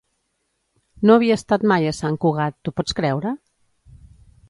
No havia estat mai a Sant Cugat, t'ho pots creure?